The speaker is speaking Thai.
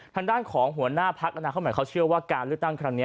ทางด้านของหัวหน้าพักอนาคตใหม่เขาเชื่อว่าการเลือกตั้งครั้งนี้